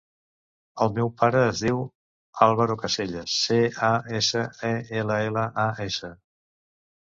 El meu pare es diu Álvaro Casellas: ce, a, essa, e, ela, ela, a, essa.